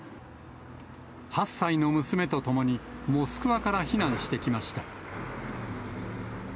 ８歳の娘と共に、モスクワから避難してきました。